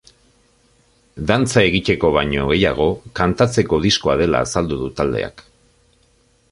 Dantza egiteko baino gehiago, kantatzeko diskoa dela azaldu du taldeak.